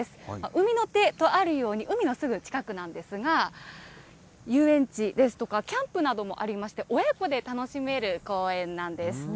海の手となるように、海のすぐ近くなんですが、遊園地ですとか、キャンプなどもありまして、親子で楽しめる公園なんです。